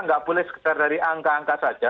nggak boleh sekitar dari angka angka saja